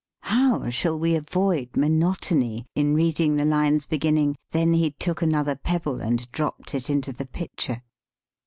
How shall we avoid monotony in reading the lines beginning, "Then he took another pebble and dropped it into the pitcher